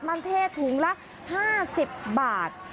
มันเท่ถุงละ๕๐บาท